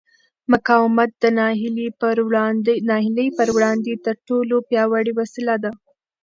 مقاومت د ناهیلۍ پر وړاندې تر ټولو پیاوړې وسله ده.